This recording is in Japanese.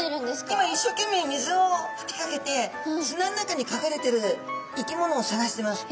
今一生懸命水をふきかけて砂ん中にかくれてる生き物を探してます。